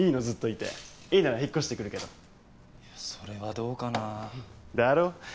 ずっといていいなら引っ越してくるけどいやそれはどうかなだろ？